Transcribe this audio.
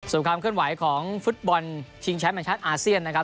ส่วนความเคลื่อนไหวของฟุตบอลชิงแชมป์แห่งชาติอาเซียนนะครับ